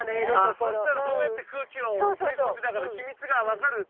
そうしたらどうやって空気を送り込んでたかの秘密が分かるってことっすか？